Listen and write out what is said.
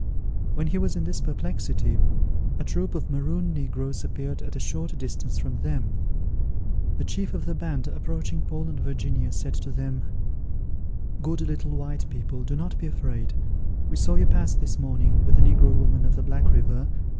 When he was in this perplexity, a troop of Maroon negroes appeared at a short distance from them. The chief of the band, approaching Paul and Virginia, said to them, "Good little white people, do not be afraid. We saw you pass this morning, with a negro woman of the Black River.